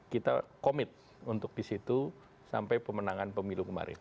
kita komit untuk di situ sampai pemenangan pemilu kemarin